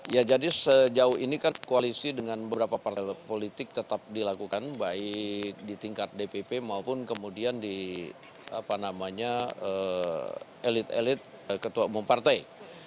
ya jadi sejauh ini kan koalisi dengan beberapa partai politik tetap dilakukan baik di tingkat dpp maupun kemudian di apa namanya elit elit ketua umum partai